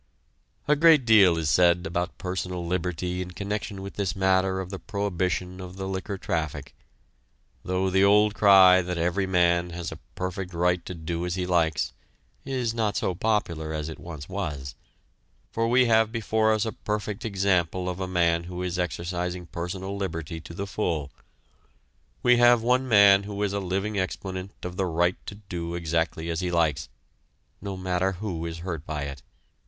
A great deal is said about personal liberty in connection with this matter of the prohibition of the liquor traffic, though the old cry that every man has a perfect right to do as he likes is not so popular as it once was, for we have before us a perfect example of a man who is exercising personal liberty to the full; we have one man who is a living exponent of the right to do exactly as he likes, no matter who is hurt by it.